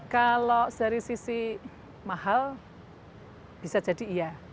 kalau dari sisi mahal bisa jadi iya